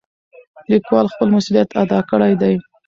لیکوال خپل مسؤلیت ادا کړی دی.